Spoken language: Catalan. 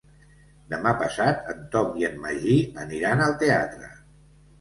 Demà passat en Tom i en Magí aniran al teatre.